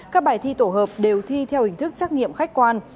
các bài thi tổ hợp đều thi theo hình thức trắc nghiệm khách quan